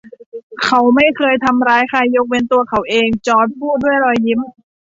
เขาไม่เคยทำร้ายใคร ยกเว้นตัวเขาเอง จอร์จพูดด้วยรอยยิ้ม